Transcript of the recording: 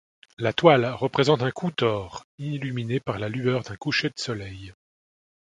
La toile représente un khoutor, illuminé par la lueur d'un coucher de soleil.